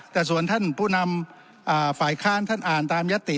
แต่ส่วนท่านผู้นำฝ่ายค้านท่านอ่านตามยติ